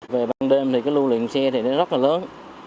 về ban đêm thì lưu luyện xe rất là lớn